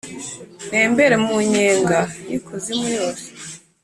ntembera mu nyenga y’ikuzimu yose